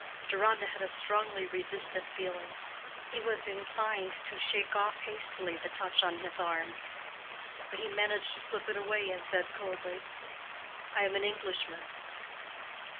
Deronda had a strongly resistant feeling: he was inclined to shake off hastily the touch on his arm; but he managed to slip it away and said coldly, "I am an Englishman."